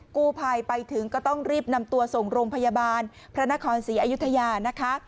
กู้ภัยไปถึงก็ต้องรีบนำตัวส่งโรงพยาบาลพระนครศรีอยุธยานะคะ